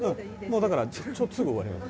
だからすぐ終わります。